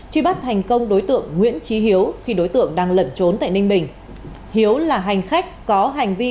truy bắt thành công đối tượng nguyễn trí hiếu khi đối tượng đang lẩn trốn tại ninh bình hiếu là hành khách có hành vi